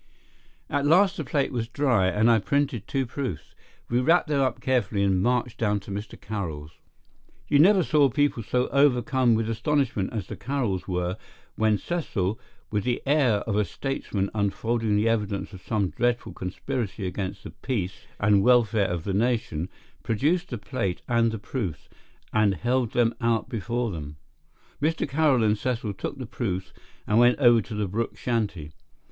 At last the plate was dry, and I printed two proofs. We wrapped them up carefully and marched down to Mr. Carroll's. You never saw people so overcome with astonishment as the Carrolls were when Cecil, with the air of a statesman unfolding the evidence of some dreadful conspiracy against the peace and welfare of the nation, produced the plate and the proofs, and held them out before them. Mr. Carroll and Cecil took the proofs and went over to the Brooke shanty.